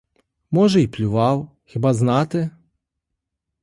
Може й плював, хіба знати?